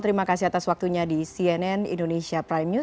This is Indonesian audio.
terima kasih atas waktunya di cnn indonesia prime news